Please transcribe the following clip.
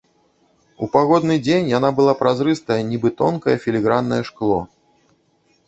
У пагодны дзень яна была празрыстая, нібы тонкае філіграннае шкло.